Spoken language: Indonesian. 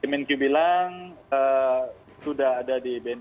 kemenkiu bilang sudah ada di bnku